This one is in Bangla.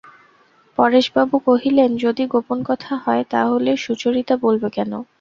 পরেশবাবু কহিলেন, যদি গোপন কথা হয় তা হলে সুচরিতা বলবে কেন?